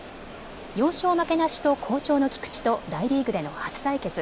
４勝負けなしと好調の菊池と大リーグでの初対決。